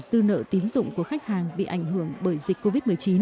dư nợ tín dụng của khách hàng bị ảnh hưởng bởi dịch covid một mươi chín